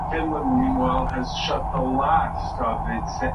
zaidi ya mia moja ishirini na moja kila kabila likiwa na lugha yake